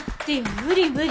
無理無理。